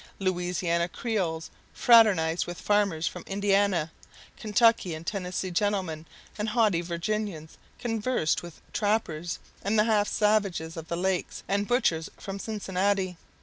Louisiana Creoles fraternized with farmers from Indiana; Kentucky and Tennessee gentlemen and haughty Virginians conversed with trappers and the half savages of the lakes and butchers from Cincinnati.